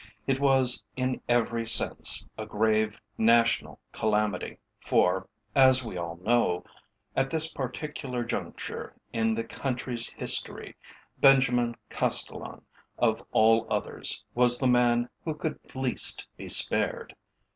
It was in every sense a grave national calamity, for, as we all know, at this particular juncture in the country's history, Benjamin Castellan, of all others, was the man who could least be spared.